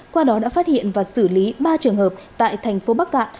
qua đó đã phát hiện và xử lý ba trường hợp tại thành phố bắc cạn